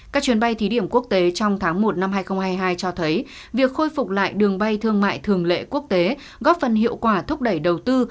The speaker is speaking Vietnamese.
các chuyến bay thí điểm quốc tế trong tháng một năm hai nghìn hai mươi hai cho thấy việc khôi phục lại đường bay thương mại thường lệ quốc tế góp phần hiệu quả thúc đẩy đầu tư